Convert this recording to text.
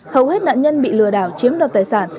hầu hết nạn nhân bị lừa đảo chiếm đoạt tài sản